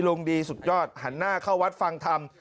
ลุงดีสุดยอดหันหน้าเข้าวัดฟังธรรม